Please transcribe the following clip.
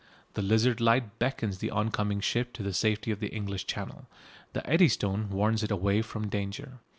The Lizard light beckons the on coming ship to the safety of the English Channel; the Eddystone warns it away from danger.